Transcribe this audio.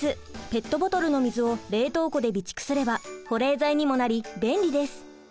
ペットボトルの水を冷凍庫で備蓄すれば保冷剤にもなり便利です。